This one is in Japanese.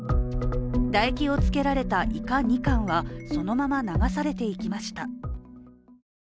唾液をつけられた、いか２貫はそのまま流されていきました。